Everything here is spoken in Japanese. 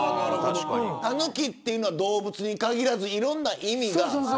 タヌキというのは動物に限らずいろんな意味が。